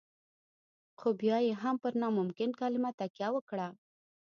خو بيا يې هم پر ناممکن کلمه تکيه وکړه.